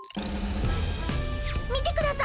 みてください！